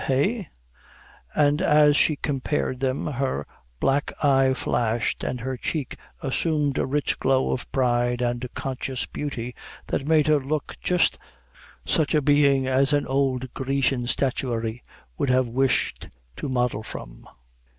eh," and as she compared them her black eye flashed, and her cheek assumed a rich glow of pride and conscious beauty, that made her look just such a being as an old Grecian statuary would have wished to model from.